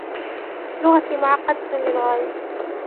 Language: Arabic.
لغتي معقدة للغاية.